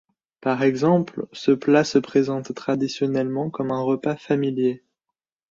Par exemple, ce plat se présente traditionnellement comme un repas familier.